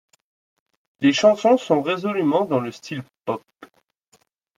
Les chansons sont résolument dans le style pop.